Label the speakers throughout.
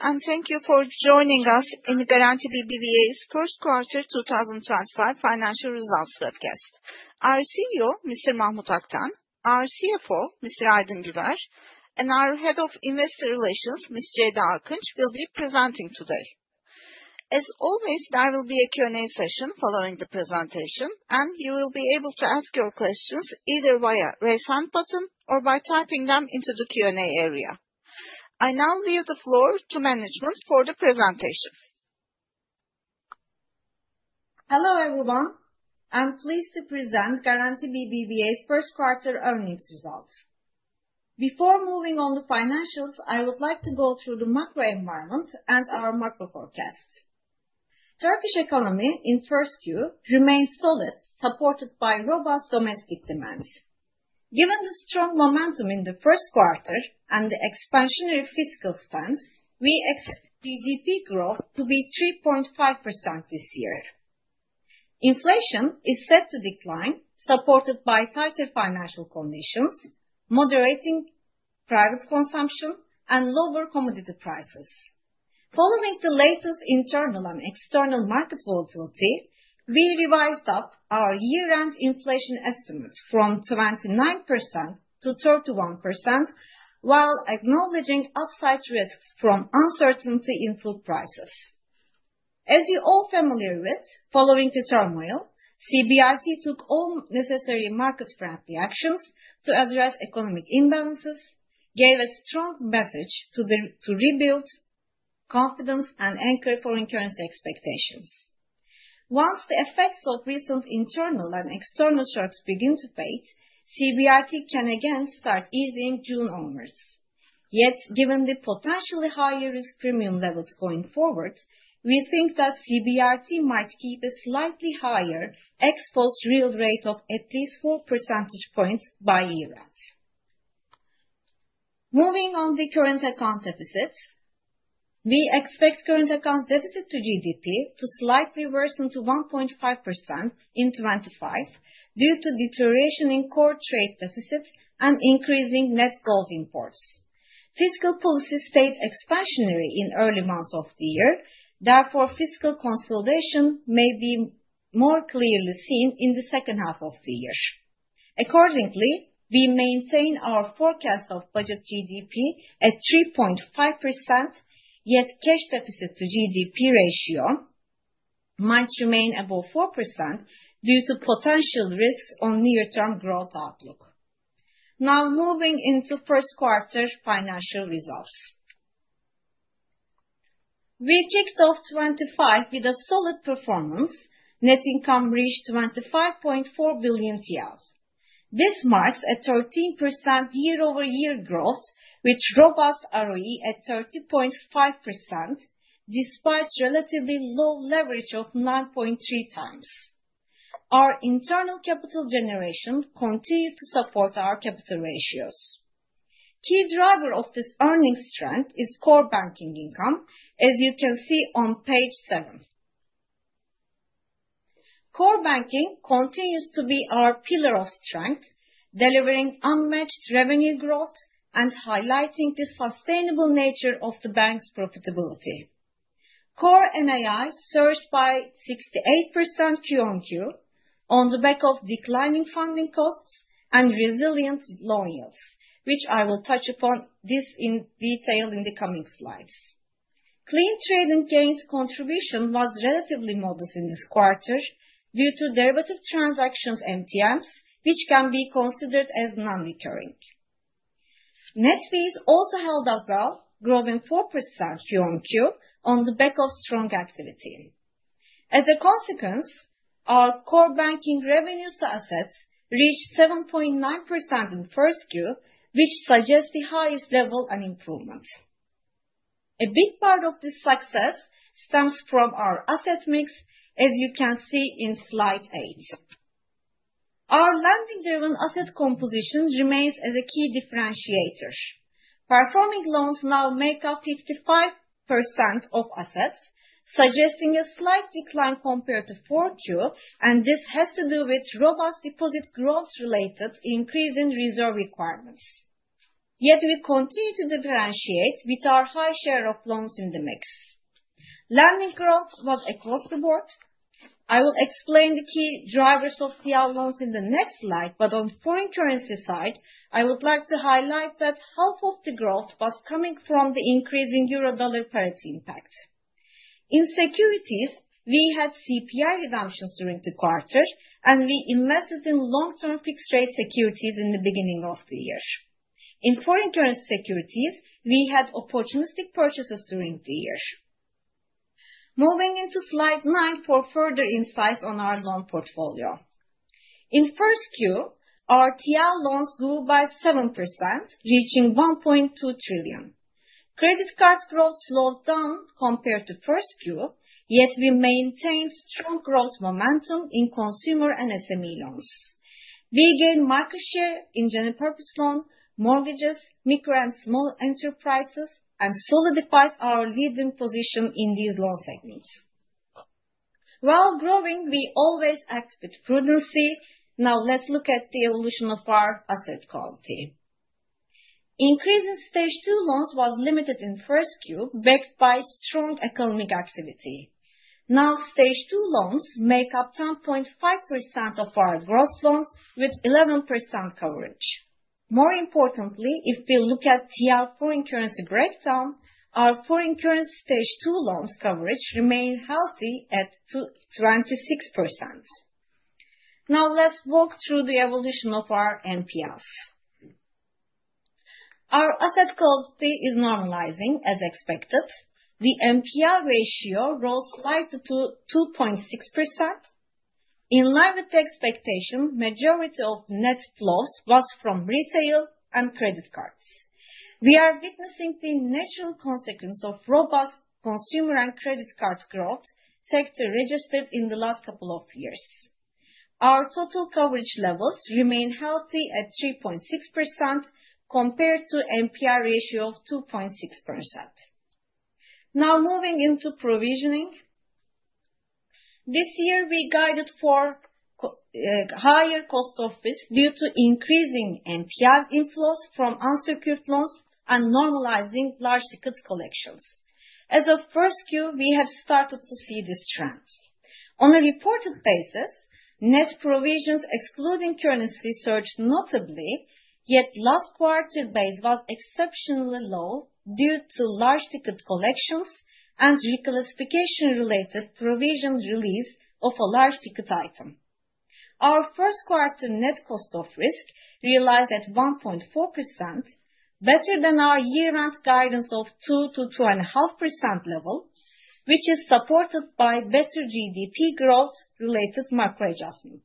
Speaker 1: Hello, and thank you for joining us in the Garanti BBVA's First Quarter 2025 Financial Results Webcast. Our CEO, Mr. Mahmut Akten; our CFO, Mr. Aydın Güler; and our Head of Investor Relations, Ms. Ceyda Akın, will be presenting today. As always, there will be a Q&A session following the presentation, and you will be able to ask your questions either via Raise Hand button or by typing them into the Q&A area. I now leave the floor to management for the presentation.
Speaker 2: Hello everyone. I'm pleased to present Garanti BBVA's First Quarter earnings results. Before moving on to financials, I would like to go through the macro environment and our macro forecast. Turkish economy in 1Q remains solid, supported by robust domestic demand. Given the strong momentum in the first quarter and the expansionary fiscal stance, we expect GDP growth to be 3.5% this year. Inflation is set to decline, supported by tighter financial conditions, moderating private consumption, and lower commodity prices. Following the latest internal and external market volatility, we revised up our year-end inflation estimate from 29%-31%, while acknowledging upside risks from uncertainty in food prices. As you're all familiar with, following the turmoil, CBRT took all necessary market-friendly actions to address economic imbalances, gave a strong message to rebuild confidence, and anchor foreign currency expectations. Once the effects of recent internal and external shocks begin to fade, CBRT can again start easing June onwards. Yet, given the potentially higher risk premium levels going forward, we think that CBRT might keep a slightly higher ex-post real rate of at least 4 percentage points by year-end. Moving on to the current account deficit, we expect current account deficit to GDP to slightly worsen to 1.5% in 2025 due to deterioration in core trade deficit and increasing net gold imports. Fiscal policies stayed expansionary in early months of the year. Therefore, fiscal consolidation may be more clearly seen in the second half of the year. Accordingly, we maintain our forecast of budget GDP at 3.5%, yet cash deficit to GDP ratio might remain above 4% due to potential risks on near-term growth outlook. Now, moving into first quarter financial results. We kicked off 2025 with a solid performance. Net income reached TL 25.4 billion. This marks a 13% year-over-year growth, with robust ROE at 30.5%, despite relatively low leverage of 9.3 times. Our internal capital generation continued to support our capital ratios. Key driver of this earnings strength is core banking income, as you can see on Page 7. Core banking continues to be our pillar of strength, delivering unmatched revenue growth and highlighting the sustainable nature of the bank's profitability. Core NII surged by 68% Q on Q on the back of declining funding costs and resilient loan yields, which I will touch upon in detail in the coming slides. Clean trading gains contribution was relatively modest in this quarter due to derivative transactions MTMs, which can be considered as non-recurring. Net fees also held up well, growing 4% Q on Q on the back of strong activity. As a consequence, our core banking revenues to assets reached 7.9% in 1Q, which suggests the highest level and improvement. A big part of this success stems from our asset mix, as you can see in Slide 8. Our lending-driven asset composition remains as a key differentiator. Performing loans now make up 55% of assets, suggesting a slight decline compared to Q on Q, and this has to do with robust deposit growth related to increasing reserve requirements. Yet, we continue to differentiate with our high share of loans in the mix. Lending growth was across the board. I will explain the key drivers of TL loans in the next slide, but on the foreign currency side, I would like to highlight that half of the growth was coming from the increasing Euro/Dollar parity impact. In securities, we had CPI redemptions during the quarter, and we invested in long-term fixed-rate securities in the beginning of the year. In foreign currency securities, we had opportunistic purchases during the year. Moving into slide 9 for further insights on our loan portfolio. In 1Q, our TL loans grew by 7%, reaching TL 1.2 trillion. Credit card growth slowed down compared to 1Q, yet we maintained strong growth momentum in consumer and SME loans. We gained market share in general purpose loans, mortgages, micro and small enterprises, and solidified our leading position in these loan segments. While growing, we always act with prudency. Now, let's look at the evolution of our asset quality. Increase in Stage 2 loans was limited in 1Q, backed by strong economic activity. Now, Stage 2 loans make up 10.5% of our gross loans, with 11% coverage. More importantly, if we look at TL foreign currency breakdown, our foreign currency Stage 2 loans coverage remained healthy at 26%. Now, let's walk through the evolution of our NPLs. Our asset quality is normalizing, as expected. The NPL ratio rose slightly to 2.6%. In line with the expectation, the majority of net flows was from retail and credit cards. We are witnessing the natural consequence of robust consumer and credit card growth sector registered in the last couple of years. Our total coverage levels remain healthy at 3.6% compared to an NPL ratio of 2.6%. Now, moving into provisioning. This year, we guided for higher cost of risk due to increasing NPL inflows from unsecured loans and normalizing large ticket collections. As of 1Q, we have started to see this trend. On a reported basis, net provisions excluding currency surged notably, yet last quarter base was exceptionally low due to large ticket collections and reclassification-related provision release of a large ticket item. Our first quarter net cost of risk realized at 1.4%, better than our year-end guidance of 2%-2.5% level, which is supported by better GDP growth-related macro adjustment.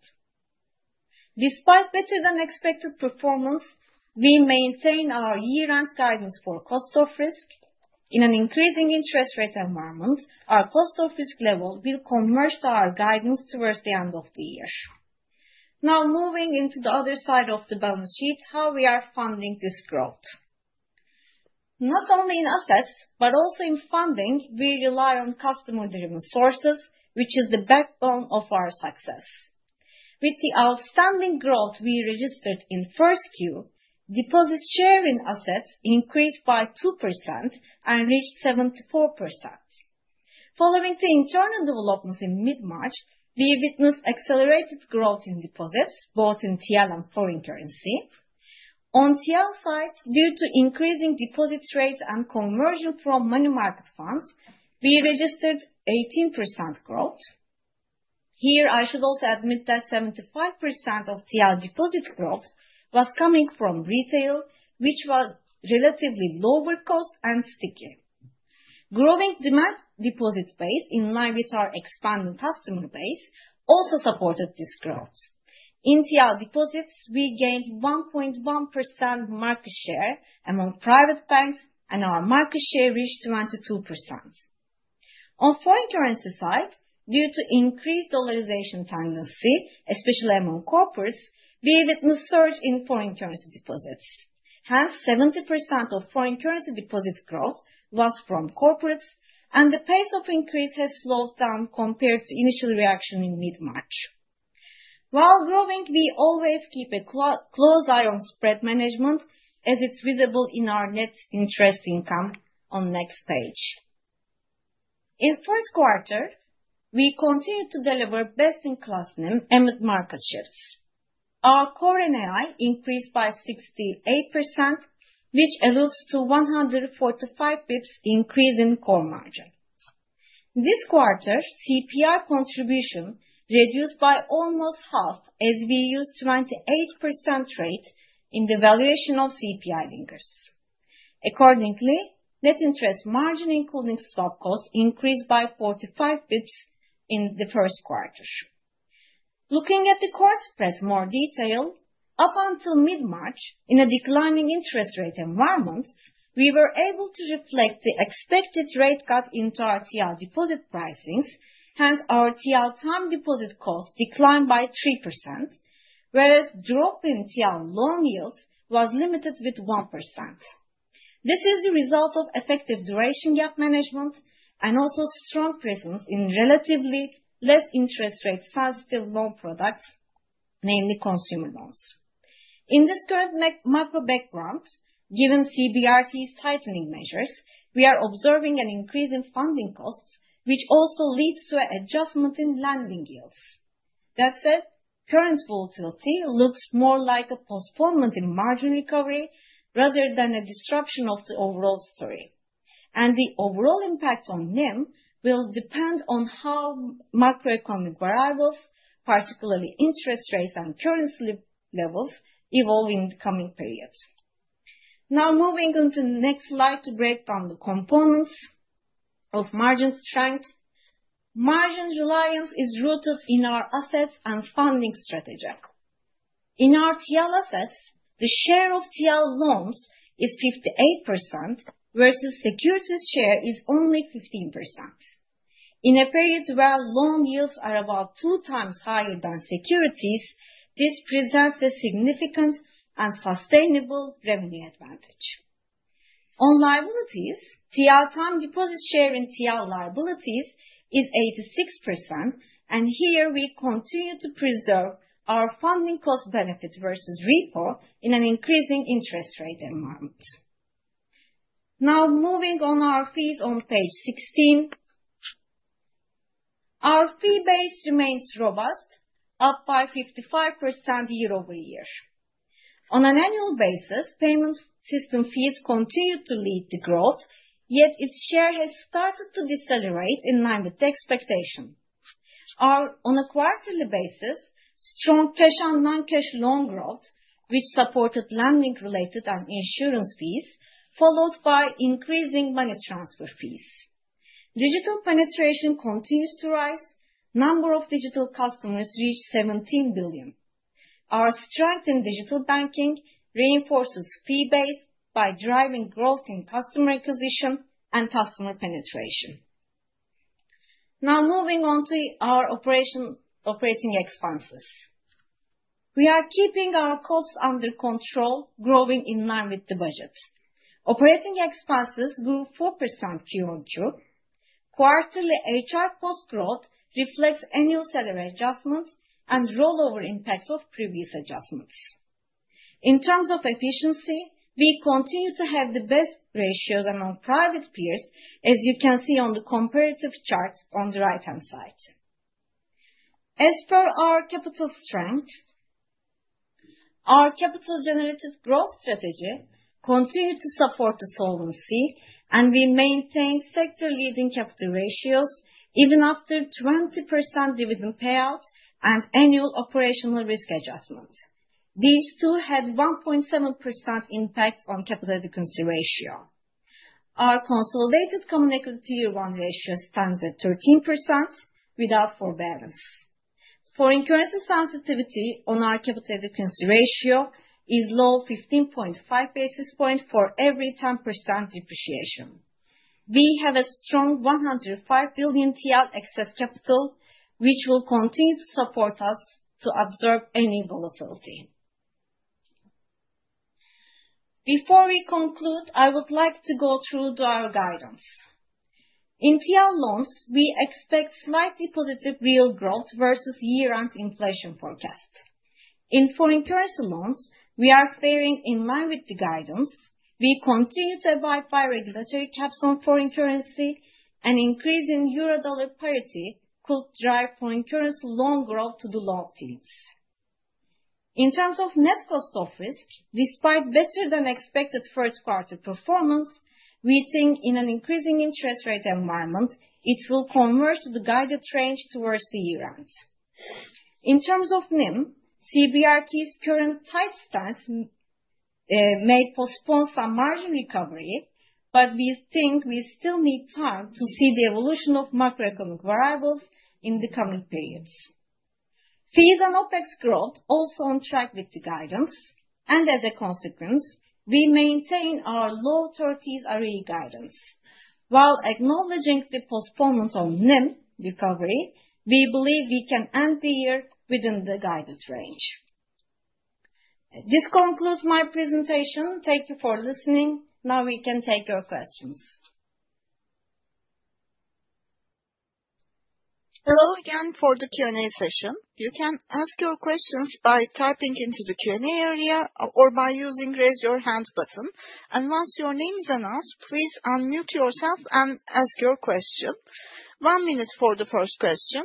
Speaker 2: Despite better-than-expected performance, we maintain our year-end guidance for cost of risk. In an increasing interest rate environment, our cost of risk level will converge to our guidance towards the end of the year. Now, moving into the other side of the balance sheet, how we are funding this growth. Not only in assets, but also in funding, we rely on customer-driven sources, which is the backbone of our success. With the outstanding growth we registered in 1Q, deposits share in assets increased by 2% and reached 74%. Following the internal developments in mid-March, we witnessed accelerated growth in deposits, both in TL and foreign currency. On TL side, due to increasing deposit rates and conversion from money market funds, we registered 18% growth. Here, I should also admit that 75% of TL deposit growth was coming from retail, which was relatively lower cost and sticky. Growing demand deposit base, in line with our expanding customer base, also supported this growth. In TL deposits, we gained 1.1% market share among private banks, and our market share reached 22%. On foreign currency side, due to increased dollarization tendency, especially among corporates, we witnessed a surge in foreign currency deposits. Hence, 70% of foreign currency deposit growth was from corporates, and the pace of increase has slowed down compared to initial reaction in mid-March. While growing, we always keep a close eye on spread management, as it is visible in our net interest income on the next page. In first quarter, we continued to deliver best-in-class amid market shifts. Our core NII increased by 68%, which alludes to 145 basis points increase in core margin. This quarter, CPI contribution reduced by almost half, as we used a 28% rate in the valuation of CPI linkers. Accordingly, net interest margin, including swap cost, increased by 45 basis points in the first quarter. Looking at the core spread more detail, up until mid-March, in a declining interest rate environment, we were able to reflect the expected rate cut into our TL deposit pricings. Hence, our TL time deposit cost declined by 3%, whereas drop in TL loan yields was limited with 1%. This is the result of effective duration gap management and also strong presence in relatively less interest rate sensitive loan products, namely consumer loans. In this current macro background, given CBRT's tightening measures, we are observing an increase in funding costs, which also leads to an adjustment in lending yields. That said, current volatility looks more like a postponement in margin recovery rather than a disruption of the overall story. The overall impact on NIM will depend on how macroeconomic variables, particularly interest rates and currency levels, evolve in the coming period. Now, moving on to the next slide to break down the components of margin strength. Margin reliance is rooted in our assets and funding strategy. In our TL assets, the share of TL loans is 58% versus securities share is only 15%. In a period where loan yields are about two times higher than securities, this presents a significant and sustainable revenue advantage. On liabilities, TL time deposit share in TL liabilities is 86%, and here we continue to preserve our funding cost benefit versus repo in an increasing interest rate environment. Now, moving on our fees on Page 16. Our fee base remains robust, up by 55% year-over-year. On an annual basis, payment system fees continue to lead the growth, yet its share has started to decelerate in line with expectation. On a quarterly basis, strong cash and non-cash loan growth, which supported lending-related and insurance fees, followed by increasing money transfer fees. Digital penetration continues to rise. Number of digital customers reached 17 million. Our strength in digital banking reinforces fee base by driving growth in customer acquisition and customer penetration. Now, moving on to our operating expenses. We are keeping our costs under control, growing in line with the budget. Operating expenses grew 4% quarter on quarter. Quarterly HR cost growth reflects annual salary adjustment and rollover impact of previous adjustments. In terms of efficiency, we continue to have the best ratios among private peers, as you can see on the comparative chart on the right-hand side. As per our capital strength, our capital-generated growth strategy continued to support the solvency, and we maintained sector-leading capital ratios even after 20% dividend payout and annual operational risk adjustment. These two had 1.7% impact on capital adequacy ratio. Our consolidated Common Equity Tier 1 ratio stands at 13% without forbearance. Foreign currency sensitivity on our capital adequacy ratio is low, 15.5 basis points for every 10% depreciation. We have a strong 105 billion TL excess capital, which will continue to support us to absorb any volatility. Before we conclude, I would like to go through our guidance. In TL loans, we expect slightly positive real growth versus year-end inflation forecast. In foreign currency loans, we are faring in line with the guidance. We continue to abide by regulatory caps on foreign currency, and increasing Euro/Dollar parity could drive foreign currency loan growth to the low teens. In terms of net cost of risk, despite better-than-expected first quarter performance, we think in an increasing interest rate environment, it will converge to the guided range towards the year-end. In terms of NIM, CBRT's current tight stance may postpone some margin recovery, but we think we still need time to see the evolution of macroeconomic variables in the coming periods. Fees and OpEx growth also on track with the guidance, and as a consequence, we maintain our low-thirties ROE guidance. While acknowledging the postponement of NIM recovery, we believe we can end the year within the guided range. This concludes my presentation. Thank you for listening. Now we can take your questions.
Speaker 1: Hello again for the Q&A session. You can ask your questions by typing into the Q&A area or by using the raise your hand button. Once your name is announced, please unmute yourself and ask your question. One minute for the first question.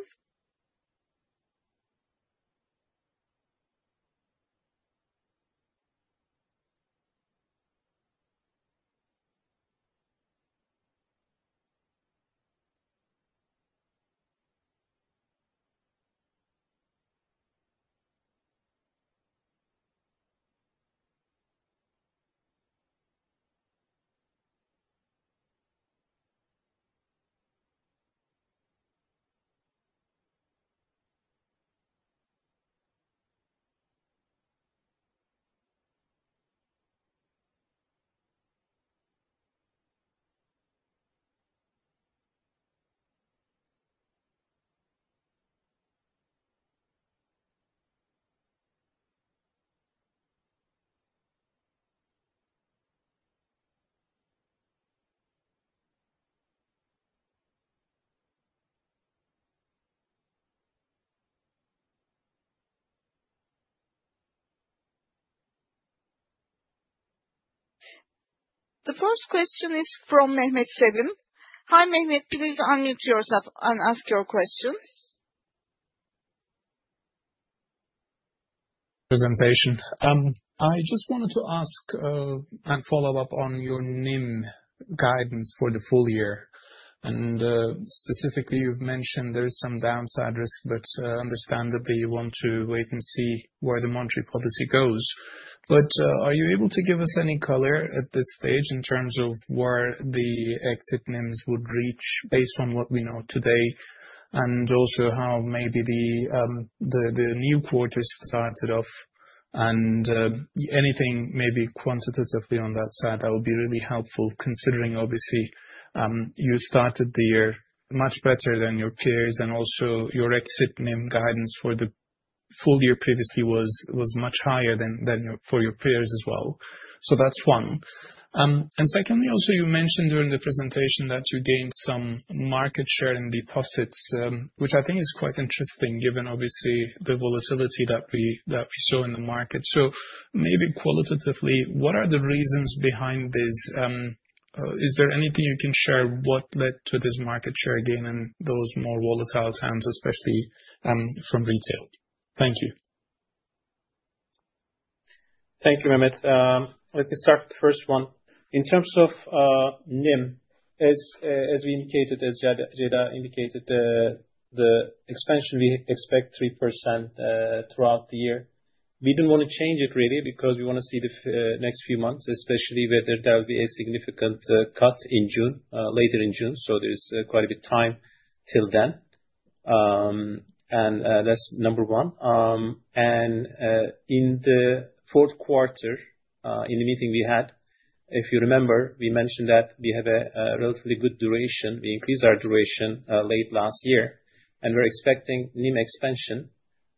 Speaker 1: The first question is from Mehmet Sevim. Hi Mehmet, please unmute yourself and ask your question. Presentation. I just wanted to ask and follow up on your NIM guidance for the full year. Specifically, you have mentioned there is some downside risk, but understandably, you want to wait and see where the monetary policy goes. Are you able to give us any color at this stage in terms of where the exit NIMs would reach based on what we know today and also how maybe the new quarter started off? Anything maybe quantitatively on that side would be really helpful considering, obviously, you started the year much better than your peers and also your exit NIM guidance for the full year previously was much higher than for your peers as well. That is one. Secondly, you mentioned during the presentation that you gained some market share in deposits, which I think is quite interesting given, obviously, the volatility that we saw in the market. Maybe qualitatively, what are the reasons behind this? Is there anything you can share about what led to this market share gain in those more volatile times, especially from retail? Thank you.
Speaker 2: Let me start with the first one. In terms of NIM, as we indicated, as Ceyda indicated, the expansion we expect 3% throughout the year. We did not want to change it really because we want to see the next few months, especially whether there will be a significant cut in June, later in June. There is quite a bit of time till then. That is number one. In the fourth quarter, in the meeting we had, if you remember, we mentioned that we have a relatively good duration. We increased our duration late last year. We are expecting NIM expansion,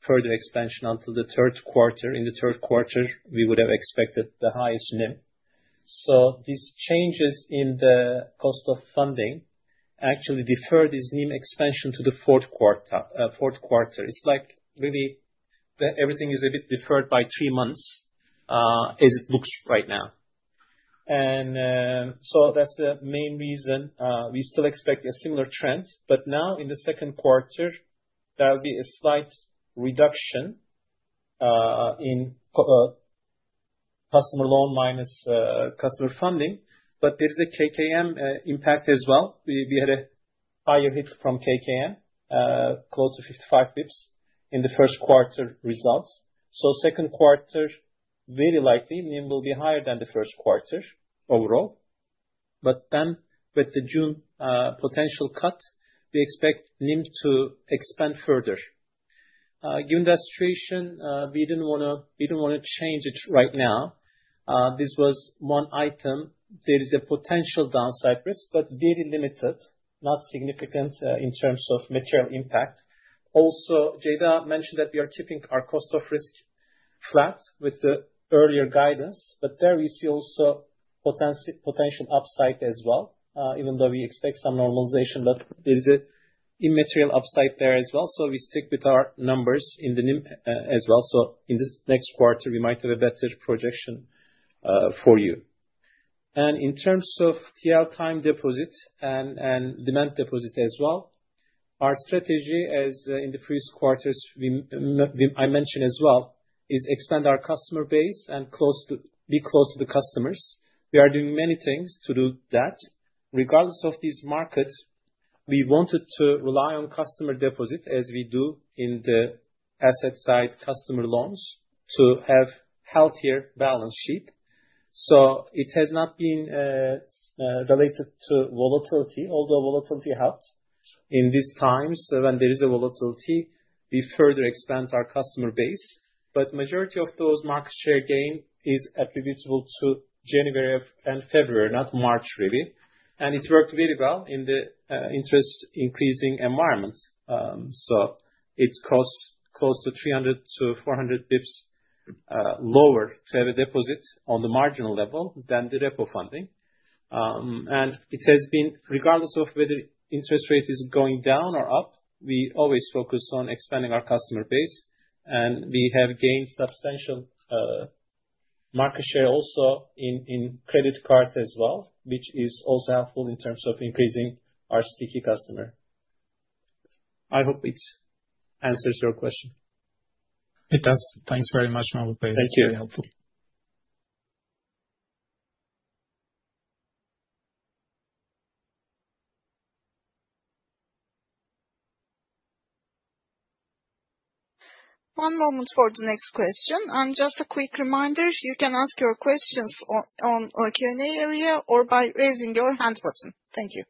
Speaker 2: further expansion until the third quarter. In the third quarter, we would have expected the highest NIM. These changes in the cost of funding actually defer this NIM expansion to the fourth quarter. It's like really everything is a bit deferred by three months as it looks right now. That's the main reason. We still expect a similar trend, but now in the second quarter, there will be a slight reduction in customer loan minus customer funding. There is a KKM impact as well. We had a higher hit from KKM, close to 55 basis points in the first quarter results. Second quarter, very likely NIM will be higher than the first quarter overall. With the June potential cut, we expect NIM to expand further. Given that situation, we didn't want to change it right now. This was one item. There is a potential downside risk, but very limited, not significant in terms of material impact. Also, Ceyda mentioned that we are keeping our cost of risk flat with the earlier guidance, but there we see also potential upside as well, even though we expect some normalization, but there is an immaterial upside there as well. We stick with our numbers in the NIM as well. In this next quarter, we might have a better projection for you. In terms of TL time deposit and demand deposit as well, our strategy, as in the previous quarters I mentioned as well, is expand our customer base and be close to the customers. We are doing many things to do that. Regardless of this market, we wanted to rely on customer deposit as we do in the asset side customer loans to have a healthier balance sheet. It has not been related to volatility, although volatility helped. In these times, when there is a volatility, we further expand our customer base. The majority of those market share gains is attributable to January and February, not March really. It worked very well in the interest-increasing environment. It costs close to 300-400 basis points lower to have a deposit on the marginal level than the repo funding. It has been, regardless of whether interest rate is going down or up, we always focus on expanding our customer base. We have gained substantial market share also in credit cards as well, which is also helpful in terms of increasing our sticky customer. I hope it answers your question. It does. Thanks very much, Mahmut. Thank you. It's very helpful.
Speaker 1: One moment for the next question. Just a quick reminder, you can ask your questions on the Q&A area or by raising your hand button. Thank you.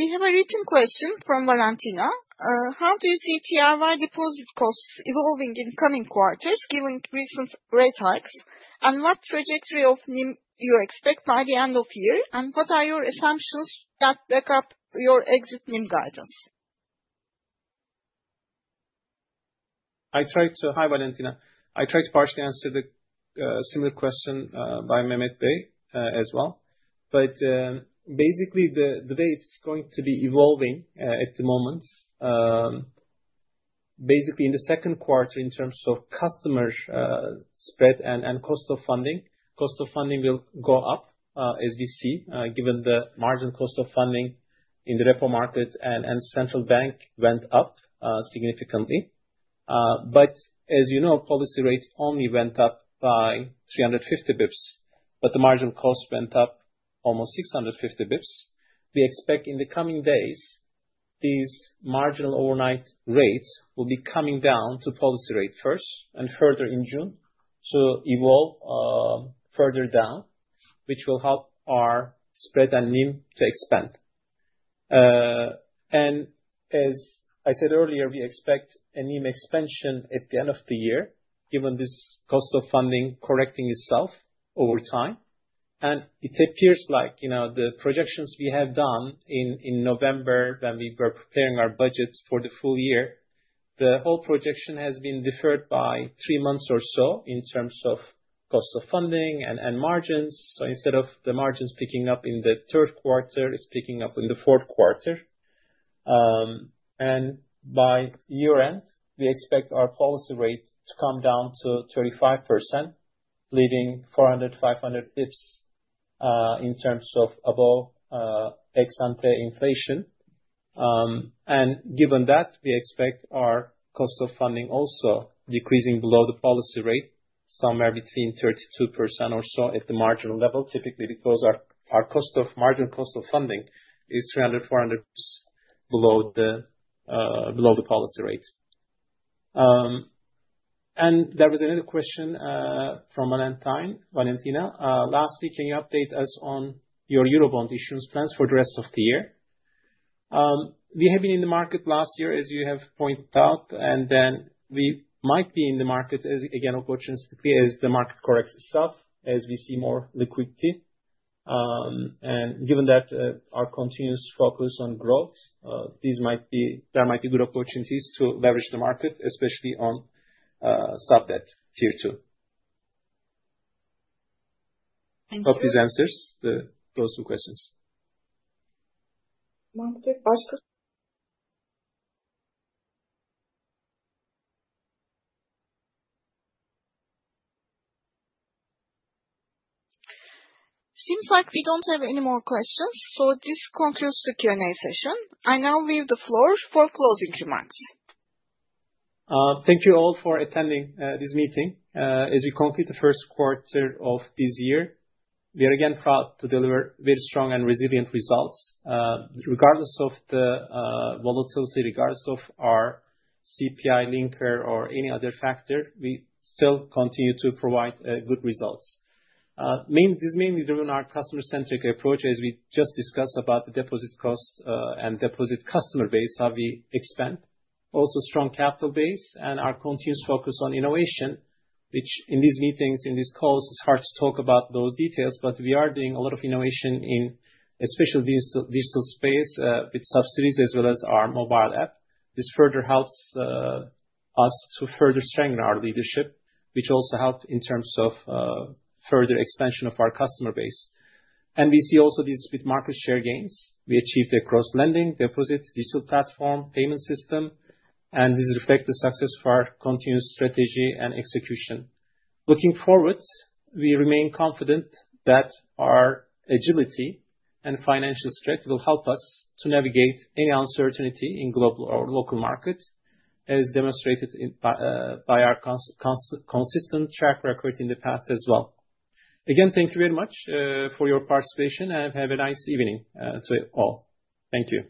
Speaker 1: We have a written question from Valentina. How do you see TRY deposit costs evolving in coming quarters given recent rate hikes? What trajectory of NIM do you expect by the end of year? What are your assumptions that back up your exit NIM guidance?
Speaker 2: Hi Valentina. I tried to partially answer the similar question by Mehmet Bey as well. Basically, the way it's going to be evolving at the moment, in the second quarter in terms of customer spread and cost of funding, cost of funding will go up as we see given the margin cost of funding in the repo market and central bank went up significantly. As you know, policy rate only went up by 350 basis points, but the margin cost went up almost 650 basis points. We expect in the coming days, these marginal overnight rates will be coming down to policy rate first and further in June, so evolve further down, which will help our spread and NIM to expand. As I said earlier, we expect a NIM expansion at the end of the year given this cost of funding correcting itself over time. It appears like the projections we have done in November when we were preparing our budgets for the full year, the whole projection has been deferred by three months or so in terms of cost of funding and margins. Instead of the margins picking up in the third quarter, it's picking up in the fourth quarter. By year-end, we expect our policy rate to come down to 35%, leading 400-500 basis points in terms of above ex-ante inflation. Given that, we expect our cost of funding also decreasing below the policy rate, somewhere between 32% or so at the marginal level. Typically, because our margin cost of funding is 300-400 basis points below the policy rate. There was another question from Valentina. Lastly, can you update us on your Eurobond issuance plans for the rest of the year? We have been in the market last year, as you have pointed out, and then we might be in the market again opportunistically as the market corrects itself, as we see more liquidity. Given that our continuous focus on growth, there might be good opportunities to leverage the market, especially on sub-debt Tier 2. Thank you. Hope these answers those two questions.
Speaker 1: Seems like we don't have any more questions. This concludes the Q&A session. I now leave the floor for closing remarks.
Speaker 2: Thank you all for attending this meeting. As we complete the first quarter of this year, we are again proud to deliver very strong and resilient results. Regardless of the volatility, regardless of our CPI linker or any other factor, we still continue to provide good results. This is mainly driven by our customer-centric approach, as we just discussed about the deposit cost and deposit customer base, how we expand, also strong capital base, and our continuous focus on innovation, which in these meetings, in these calls, it's hard to talk about those details, but we are doing a lot of innovation in especially the digital space with subsidiaries as well as our mobile app. This further helps us to further strengthen our leadership, which also helps in terms of further expansion of our customer base. We see also this with market share gains. We achieved a cross-lending, deposit, digital platform, payment system, and this reflects the success of our continuous strategy and execution. Looking forward, we remain confident that our agility and financial strength will help us to navigate any uncertainty in global or local markets, as demonstrated by our consistent track record in the past as well. Again, thank you very much for your participation and have a nice evening to all. Thank you.